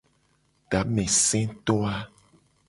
Tameseto a.